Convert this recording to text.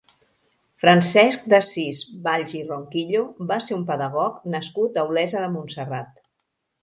Francesc d'Assís Valls i Ronquillo va ser un pedagog nascut a Olesa de Montserrat.